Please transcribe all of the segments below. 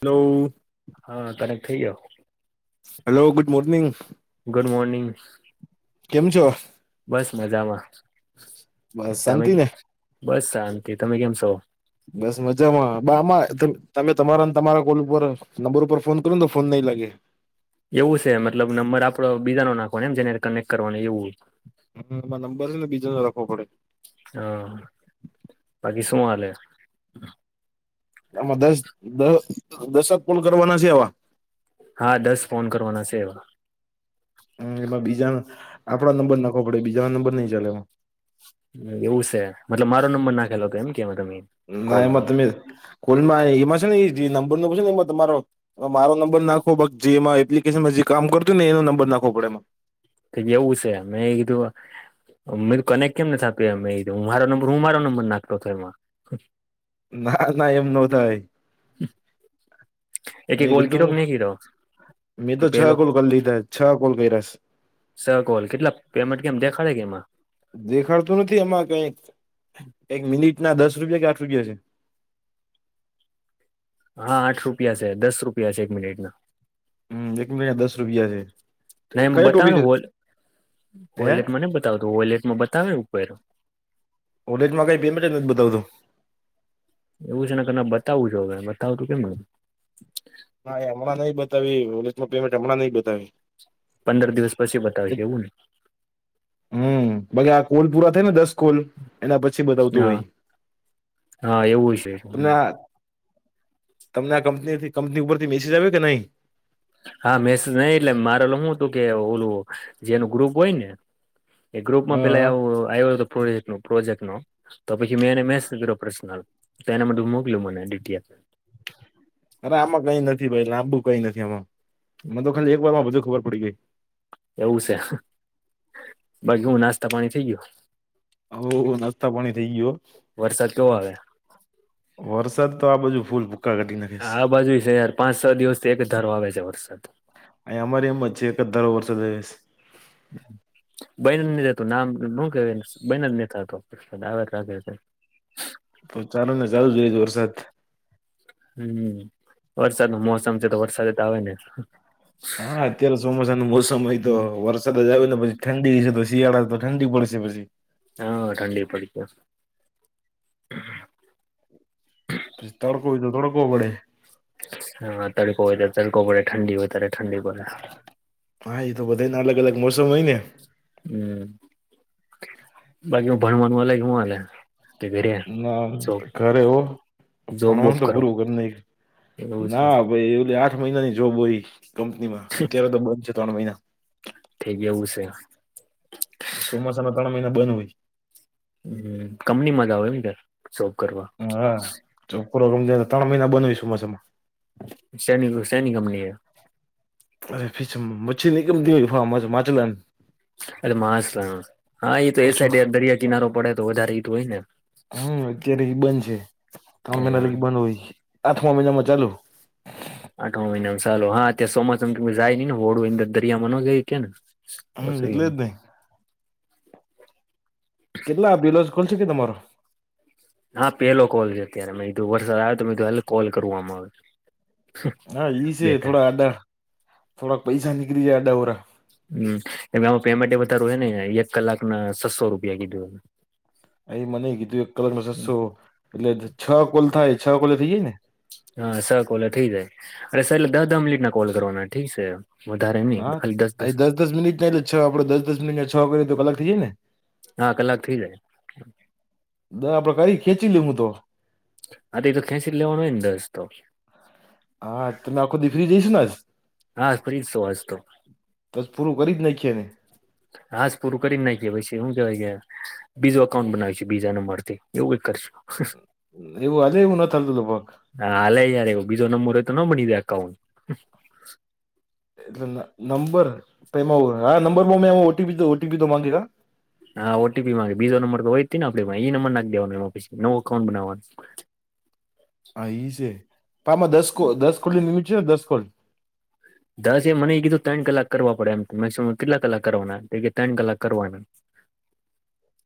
Hello હા તને થઈ જા hello good morning. Good morning. કેમ છો? બસ મજામાં બસ તમે શાંતિ ને બસ શાંતિ તમે કેમ છો? બસ મજામાં બા આમાં તમે તમારા તમારા કોલ ઉપર નંબર ઉપર ફોન કર્યો ને ફોન નહીં લાગે. એવું છે મતલબ નંબર આપડો બીજાો નાખવાને એમ જેને કનેક્ટ કરવાનું એવું. હમમાં નંબર ને બીજા નો રાખવો પડે. હા બાકી સ લલે આમાં દસ દ દસક પુલ કરવા નથી આવા હા દસ ફોન કરવાના છે એવા હમ એમાં બીજા આપડો નંબર નખો પડે બીજા ના નંબર નઈ ચાલે એમાં એવું છે મતલબ મારો નંબર નાખેલો હતો એમ કેવા તમે? ના એમાં કોલમાં તમે કોલમાં એમાં છે ને નંબર ન નેમાં તમારો મારો નંબર નાખો જેમાં એપ્લિકેશનમાં જે કામ કરતું ને એનો નંબર નાખવો પડે એમાં. તે એવું છે. અ મે તો કનેક કેમ નથી આપ્યો હું મારો નંબર હું મારો નંબર નાખલો હતોયો એમાં. ના ના એમ ન થાય. એ કે મેં કોલ ક કીધું રોક નને ક રક મેં તો છ કોલ કરી લીધા છ કોલ કર્યાસ સ ગલ કેટલા પેમેન્ટ કેમ દેખાડે કે એમાં દેખાડતું નથી એમાં કઈક એક મિનિટ ના દસ રૂપિયા કે આઠ રૂપિયા છે. હા આઠ રૂપિયા છે દસ રૂપિયા છે એક મિનિટ ના હમ એક મિટ અયા દસ રૂપિયા છે કયો ટોપી. હોલેટમાં ન બતાવતું હોયલેટમાં બતાવે ઉપર. વોલેટમાં કઈ પેમેન્ટ નથી બતાવતું. એવું છે ને તમે બતાવું છો હવે બતાવું તું કેમ મળું હા એ હમં નહ બતાવી ઓ પેમેન્ટ હમણાં નહ બતાવી. પંદર દિવસ પછી બતાવશે એવું નને હમ પછ આ કોલ પૂરા થઈ ને દસ કોલ. એના પછી ને બતાવતું હોય હા હા એવું છે તને તમને આ કંપનીથી કંપની ઉપરથી મેસેજ આવ્યો કે નહી? હા મેસેજ નઈ એટલે મારેલ હું હતું કે ઓલું જેનું ગ્રુપ હોય ને. એ હ ગ્રુપમાં પેલા આવું આવ્યો હતો પ્રોજેક્ટ ન પ્રોજેક્ટ નો તો પછી મેં એને મેસેજ કર્યો પ્રર્શનલ તો એના માટે હું મોકલ્યો મનેડીટી આપે અરે આમાં કઈ નથી ભાઈ લાંબુ કઈ નથી આમાં અમ તો ખાલી એક વાર માં બધુ ખબર પડી ગઈ. એવું છે બાકી હું નાસ્તા પાણી થઈ ગયું. હ નાસ્તા પાણી થઈ ગયો. વરસાદ કેવો આવે વરસાદ તો આ બધું ફૂલ ફૂક્કા ઘટીને. આ બાજુ છે યાર પાંચ છ દિવસ થી એક ધર આવે છે વરસાદ અ અમારી એમ જ છે એક દાર વર્ષ જઈ છે. બનલધતું નામું કે બનલ નેતા રાગે છે. તો ચાલો ને ચાલુ જોય વરસાદ હમ્મ વરસાદ ન મોસમ છે તો વરસાદ તો આવે ને હા અત્યારે ચોમાસા નું મોસમ હોય તો વર જ આવી ને પછી ઠંડી તો શિયાળા તો ઠંડી પડશે પછી હા [unintelligible] પછતાડ કોઈ તો થોડ કો બડે. હા તડકો હોય ત તડકો પડે ઠંડી હોય ત્યારે ઠંડી પડે. હા એ તો બધ નનેલગ અલગ મોસમ હોય ને હમ બાકી હ ભણવાનું અય હલે ના ઘરે હો જોબ બોબ ભણવાનું તો કરો પૂરું ઘર નહી એવું છે ના ભાઈ એ આઠ મહિનાની જોબ હોય કંપનીમાં અત્યારે તો બંધ છે ત્રણ મહિના થઈ ગ એવું છે. ચોમાસા ના ત્રણ મહિના બંધ હોય. હમ કંપનીમાં જ આવે નેર જોબ કરવા. હા છોકરો રમજાયને ત્રણ મહિના બન હોય સુુંમાસામાં. સની સેની કંપનીએ. અરે ફી સું મછીની કંપની મા મચ્છલા ને. એટ માછલા હા એ તો એ સાઈડ એ દરિયા કિનારો પડે તો વધારે એજ હોય ને. હમ અત્યારે બંધ છે ત્રણ મહિના લગી આઠમા બંધ હોય આઠમા મહિના માં ચાલુ. આઠ માં મહિનામાં ચાલુ હા અત્યારે ચોમાસામાં કોઈ જાય નહી ને હોડું અંદર દરિયામાં નો જઈ હકે ને. હમ પછી એટલે જ ને. કેટલા પેલો જ કોલ છે કે તમારો. હા પેલો કોલ છે અત્યારે મેં કિધું વરસાદ આવ્યો તો મે જે કીધું કોલ કરું આમાં. હા ઈ છે બે થોડા ત્રણ આડા થોડા પૈસા નીકળી જાય આડા અવળા. હમ એ આમાં પેમેન્ટ વધારા હ ને એક કલાક ના છસો રૂપિયા કીધું. એ મને કીધું એક કલાક ના છસો એટલે છ કોલ થાય છ કોલે થઈ જાય ને. હા છ કોલે થઈ જાય અને છેલે દહ દહ મિનિટ ના કોલ કરવાના ઠીક છે. વધારે નહી ખાલી હા દસ દસ મિનિટ એટલે છ આપડ દસ મિનિટ છ કરએ તો કલાક થી જાય ને. હા કલાક થઇ જાય. દ આપડે કરી ખેંચી લેવું તો. હા તે તો ખેંચી લેવાનો હોયને દરસ તો. હા તમે આખો દી ફ્રી જ હશો ને આજ. હા ફ્રી જ છું આજ તો. તો આજ પૂરું કરી જ નાખીએ ને. હાજ પૂરું કરી નાખીએ પછી હું કેવાય કે. બીજું અકાઉન્ટ બનાવીશું બીજા નંબર થી એવું કંઈક કરશું. એવું આજે એવું ન થતું હતું ભગ. હાલે એ યાર બીજો નંબર હોય તો ન બની જાય એકાઉન્ટ. એટલે નંબર તો એમાં હા નંબર મે ઓટીપી તો ઓટીપી તો માંગે હા. હા ઓટીપી માંગે બીજો નંબર તો હોય જ તે ને આપડી પાહે ઈ નંબર નાખી દેવાનો એમાં પછી નવું અકાઉન્ટ બનાવવાનું. હા ઈ છે પણ આમા દસ દસ કોલ નિ લિમિટ છે ને દસ કોલ. દસ એ મને એ કીધું ત્રણ કલાક કરવા પડે એમ મેક્સિમમ કેટલા કલાક કરવાના ત્રણ કલાક કરવાના.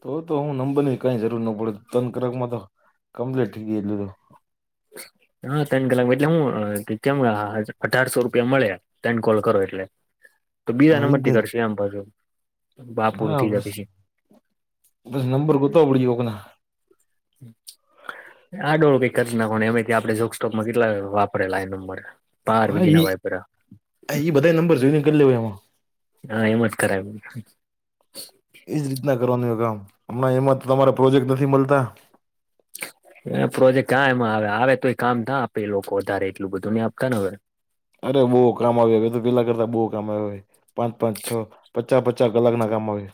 તો તો હું નંબર ની કઈ જરૂર ન પડે તણ કરાક માં તો કમ્પલેટ થઈ ગય. હા ત્રણ કલાક એટલે હું કેમ અઢારસો રૂપિયા મળે. તણ કોલ કરો એટલે. [inaudible] તો બીજા ઈ નંબર જ થી ને. કરશે આમ પાછુ. હા બસ બસ નંબર ગોતવા પડશે કોક ના. [unintelligible] આડુ અવળું કઈક કરી નાખવા નું આમેય આપડે જોક સ્ટોકમાં કેટલા વાપરેલા આ નંબર. પાર હા બીજીના ઈ વાયપરા હા ઈ બધાય નંબર જોઈન કરી લેવાય એમાં. હા એમ જ કરાય. એજ રીતના કરવાનું હોય કામ હમણાં એમાં તમારે પ્રોજેક્ટ નથી મળતા. એ પ્રોજેક્ટ કા એમાં આવે આવે તો એ કામ ના આપે એ લોકો વધારે એટલું બધું ને આપતા ને હવે. અરે બહુ કામ આવ્યું હો એ તો પેલા કરતા બહુ કામ આવ હો. પાંચ પાંચ છ પચાસ પચાસ કલાક ના કામ આવે.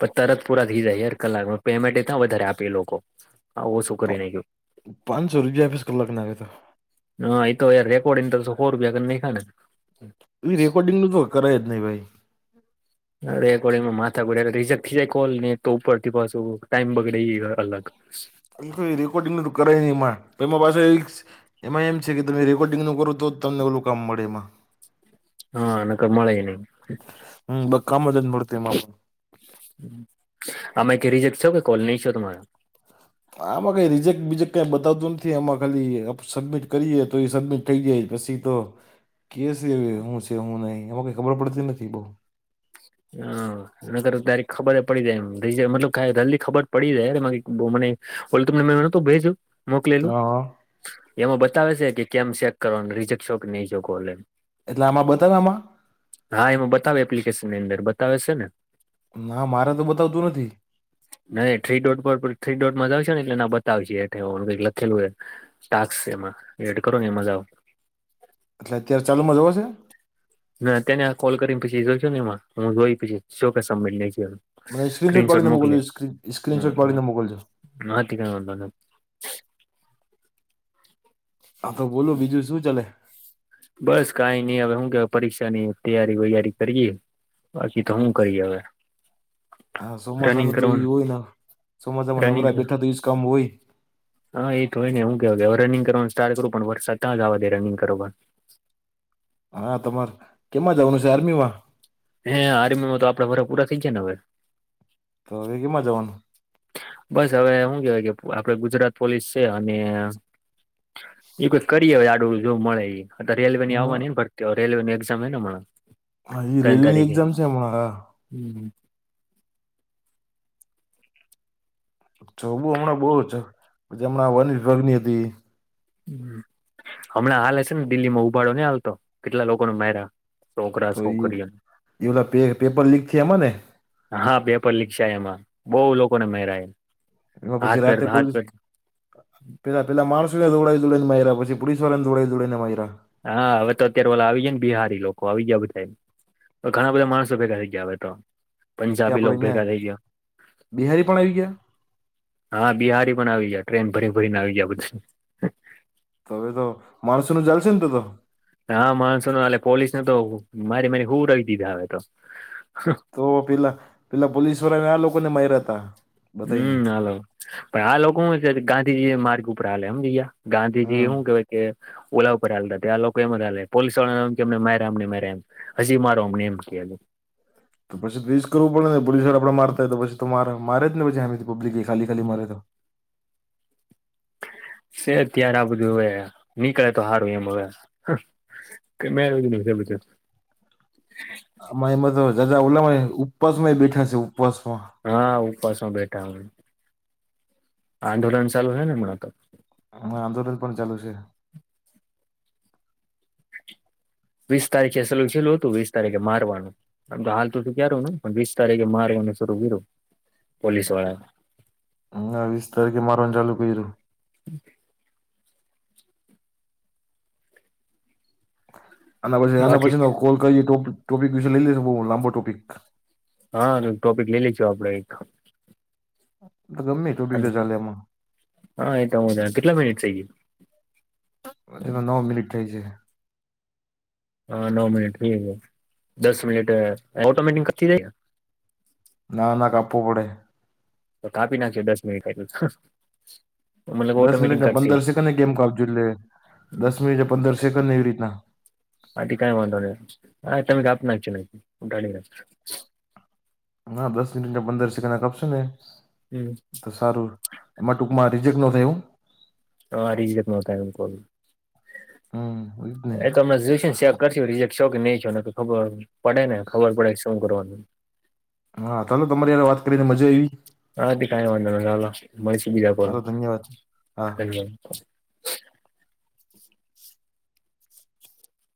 પણ તરત પુરા થઈ જાય યાર કલાકમાં પેમેન્ટ તા વધારે આપે એ લોકો. હાવ ઓછું કરી નાખ્યું. પાંચસો રૂપિયા આપીસ કલાક ના આવે તો હા એ તો યાર રેકોડિંગ કર તો હો રૂપિયા કરી નાખ્યા ને. એ રેકોર્ડિંગનું તો કરાય જ નહી ભાઈ. રેકોર્ડિંગમાં માથા ખુટ અને રિજેક્ટ થઈ જાય કોલ ને તો ઉપર થી પાછું ટાઈમ બગડે ઈ અલગ. [inaudible] અ એ રેકોર્ડિંગ કરાય નહીં એમાં એમાં પાસે એક એમાં એમ છે કે તમે રેકોર્ડિંગ નું કરો તો તમને ઓલું કામ મળે એમાં હા ન ક મળ નય હમ બક્કાામ [unintelligible] આમે ક રિઝેક્ટ છો કે કોલ નહીં છો તમારો આમાં કંઈ રિજેક્ટ બિજેક્ટ કંઈ બતાવતું નથી આમાં ખાલી સબમિટ કરીએ તો એ સબમિટ થઈ જાય પછી તો કે છે હું છે હું નહી એમાં કઈ ખબર પડતી નથી બઉુ હા અનેર તારી ખબર જ પડી જાય એમ મતલબ ક જલ્દી ખબર પડી જાયને મને [unintelligible] ઓલી તમને મેંનો તો ભેજ- મોકલેલું હા એમાં બતાવે છે કે કેમ ચેક કરવાનું રિજેકશો કે નહી જો ઓમ એટલે આમાં બતાવ આમાં? હા એમાં બતાવે એપ્લિકેશનની અંદર બતાવે છે ને ના મારે તો બતાવતું નથી નહી થ્રી ડોટ પર થ્રી ડોટમાં જ આવશે ને એટલે બતાવશે એ કઈક લખેલું એ ટાસ્ક એમાં એડ કરો ને એજા આવ એટલે અત્યારે ચાલુમા [unintelligible] ના તેને આ કોલ કરીને પછી જોઈશો ને એમાં હું જોઈ પછી શ કે સમિટ નઈ [unintelligible] મને સ્ક્રીનશોટ પાળીને મોકલજ સ્ક્રીનશોટ પાળીને નથી મોકલજો. [unintelligible] હા તો બોલો બીજું શું ચાલે? બસ કઈ નઈ હવે હું કે પરીક્ષાની તૈયારી વૈયારી કરીએ બાકી તો હું કરી હવે હા ચોમાસા રનિંગ ન તો કરવાનું હોય ને ચોમાસા માં રનિંગ નવરા બેઠા તો એજ કામ હોય હા એ તો હોય ને હું કેવા કે હવે રિંગ કરવાનું સ્ટાર્ટ કરું પણ વરષતાં જવા દે રનિંગ કરવા હા તમારે કેમાં જવાનું છે આર્મી માં હે આરમીમાં તો આપડાે ભરા પૂરા થઈ જાય ને હવે તો એ કેમાં જવાનું બસ હવે હું કેવાય કે આપડે ગુજરાત પોલીસ છે અને એ કોઈ કરીએ હવે આડું જો મળે એ આ રેલ્વે ની આવવા હમણાં એન ભરતી રેલવે ની એક્ઝામ એને હા એ રેલ એક્ઝામ્સ છે મણારા હમ છો બુ હમણાં બહુ છે પછી હમણાં વન વિભાગની હતી હમણાં હાલે હ છે ને દિલ્હી માં ઉબાડો નહી હાલતો કેટલા લોકો ન મેરા તો એ ઓલા પેપર લીક થ એમાં ને હા પેપર લીક છેાય એમાં બહુ લોકોને મેરાય એમાં પછી રાતે પોલીસ પેલા પેલા માણસો ને દોડાઈ દોડીને માર પછી પોલીસ વાળાને દોડાઈ દોડી ને માયરા હા હવે તો અત્યારે ઓલા આવી જાય ને બિહારી લોકો આવી ગયા બધામ તો ઘણા બધા માણસો ભેગા થઈ ગયા આવે તો કે પંજાબી આપડે લોકો અહીંયા ભેગા થઈ ગયા. બિહારી પણ આવી ગયા હા બિહારી પણ આવી ગયા ટ્રેન ભરી ભરીને આવી ગયા બધા. હવે તો માણસનું ચાલશે ને તો? હ માણસો આલે પોલીસને તો મારી મારી હુંવરાવી દીધા હવે તો તો પેલા પેલા પોલીસ વાળાને આ લોકોને માયરા હતા. હમ હાલો પણ આ લોકો હું છે ગાંધીજી માર્ગ ઉપર આલે સમજી ગયા. ગાંધીજી હમ શું કેવાય કે ઓલા ઉપર હાલતા ત્યા લોકો એમ જ પોલીસ વાળાને એમ કે અમને અમને મારે એમ. હજી મારો અમને એમ કે તો પછી ઇસ કરવું પડે ને પોલીસવાળા આપને મારતા હોય તો પછી તો મારે મારે જને પછી હમેથી પબ્લિક એ ખાલી ખાલી મારે તો શે અત્યારે આ બધું હવે નીકળે તો હારું એમ હવે. કે મેં એવુ બધું [unintelligible] અમાં એમાં તો જા ઓલામાં ઉપવાસમાંએ બેઠા છે ઉપવાસમાં હા ઉપવાસમાં બેઠા અમે આંદોલન ચાલુ હે ને હમણા તો આમાં આંદોલન પણ ચાલુ છે. વીસ તારીખે છેલું છેેલું હતું વીસ તારીખે મારવાનું આમ તો હાલ તો તું કારું ને પણ વીસ તારીખે મારવાનું શરું કર્યું પોલીસ વાળાએ હ વીસ તારીખે મારવાનું ચાલુ કર્યું. આના પછી આના બાકી પછી ન કોલ કરીએ તો ટોપિક વિશે લઈ લેેશ બઉ લાંબો ટોપિક હારુ ટોપિક લઈ લેશું આપડે એક ગમે તો બી તો અને ચાલે એમાં હા એ તો હું કેટલા મિનટ થઈ ગઇ હજુતો નવ મિનિટ થઈ છે. હા નવ મિનિટ થઈ છે દસ મિનિટ ઓટોમેટિક કટી જાય. ના ના કાપવું પડે. તો કાપી નાખજો દસ મિનિટ થાય પસી દસ મિનિટને પંદર સેકન્ડ ગેમ કાપજો એટલે દસ મિનિટ પંદર સેકન્ડ એવી રીતના આથી કઈ વાંધો ન હા તમે કાપી નાખજો હા દસ મિનિટને પંદર સેકન્ડને કપશે ને હમ. હારું એમાં ટુંકમાં રિજેક્ટ ન થાય હો. હા રીજેક્ટ ન થાય એમ કહુ હમ એજ ને એ તો મેં ચેક કરશે ને રીજે છો કે નહીં છો ને તો ખબર પડે ને ખબર પડે શું કરવાનું હા તાલો તમારી સાથે વાત કરીને મજા આવી. હા તે કઈ વાધો નઈ ચાલો મળશુ બીજા હાલો ધન્યવાદ હા કોલમા